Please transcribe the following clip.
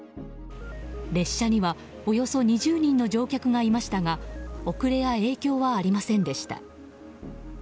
列車には、およそ２０人の乗客がいましたが遅れや影響はありませんでした。